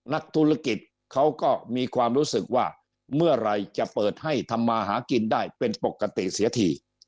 นักธุรกิจเขาก็มีความรู้สึกว่าเมื่อไหร่จะเปิดให้ทำมาหากินได้เป็นปกติเสียที